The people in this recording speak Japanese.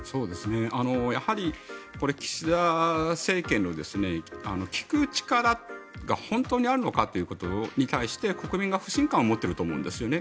やはり岸田政権の聞く力が本当にあるのかということに対して国民が不信感を持ってると思うんですよね。